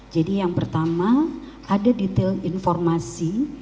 jadi yang pertama ada detail informasi